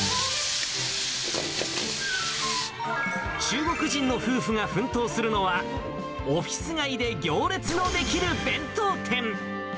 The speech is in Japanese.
中国人の夫婦が奮闘するのは、オフイス街で行列の出来る弁当店。